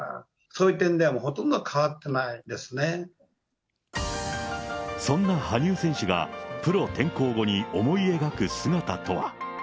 そういう点ではほとんど変わってそんな羽生選手が、プロ転向後に思い描く姿とは。